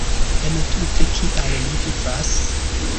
Entute kial li vivas?